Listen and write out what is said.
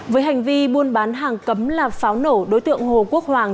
với hành vi buôn bán hàng cấm là pháo nổ đối tượng hồ quốc hoàng